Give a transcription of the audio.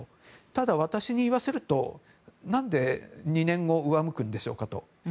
ただ、私に言わせると何で２年後上向くんでしょうか。